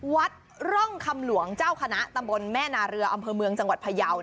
วัดร่องคำหลวงเจ้าคณะตำบลแม่นาเรืออำเภอเมืองจังหวัดพยาว